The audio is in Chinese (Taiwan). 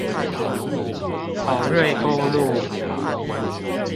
草瑞公路